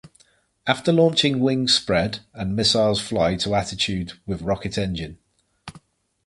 After launching wings spread and missiles fly to attitude with rocket engine.